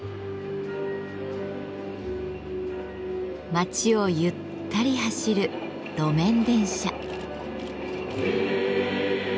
街をゆったり走る「路面電車」。